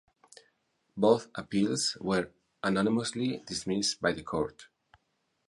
Both appeals were unanimously dismissed by the court.